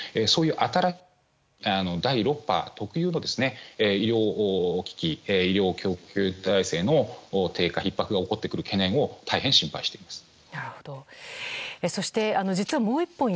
そういう新しい、第６波特有の医療危機医療供給体制の低下、ひっ迫が起こってくる懸念を大変心配しています。